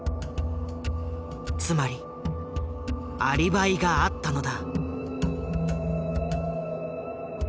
つまりアリバイがあったのだ。